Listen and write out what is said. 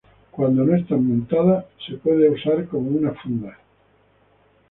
Cuando no está montada, se puede usar como una funda.